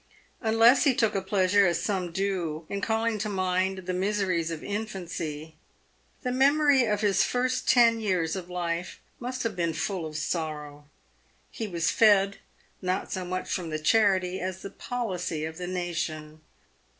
Unless he took a pleasure, as some do, in calling to mind the miseries of infancy, the memory of his first ten years of life must have been full of sorrow. He was fed, not so much from the charity as the policy of the nation.